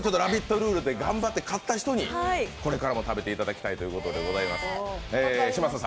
ルールで頑張って勝った人にこれからも食べていただきたいと思います。